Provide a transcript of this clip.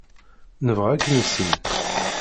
Nebɣa ad k-nissin.